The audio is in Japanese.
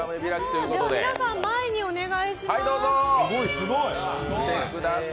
皆さん、前にお願いします。